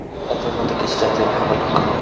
এদের মধ্যে কিছু জাতীয়ভাবে লক্ষণীয়।